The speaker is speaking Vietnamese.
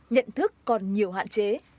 nhận thức còn nhiều hạn chế